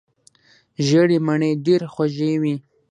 ژیړې مڼې ډیرې خوږې وي.